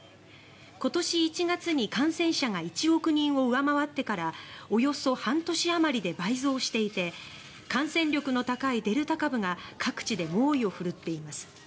今年１月に感染者が１億人を上回ってからおよそ半年あまりで倍増していて感染力の高いデルタ株が各地で猛威を振るっています。